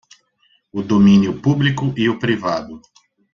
O domínio público e o privado.